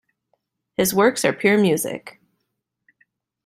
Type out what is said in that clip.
His works are pure music.